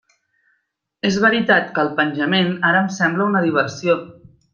És veritat que el penjament ara em sembla una diversió.